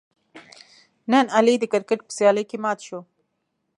نن علي د کرکیټ په سیالۍ کې مات شو.